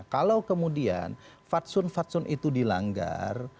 kalau kemudian faktor faktor itu dilanggar